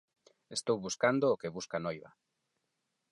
Estou buscando o que busca noiva.